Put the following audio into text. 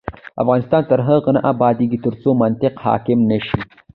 افغانستان تر هغو نه ابادیږي، ترڅو منطق حاکم نشي.